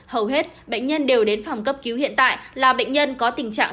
hầu hết bệnh nhân đều đến phòng cấp cứu hiện tại là bệnh nhân có tình trạng